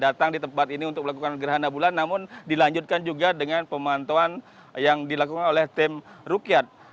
datang di tempat ini untuk melakukan gerhana bulan namun dilanjutkan juga dengan pemantauan yang dilakukan oleh tim rukyat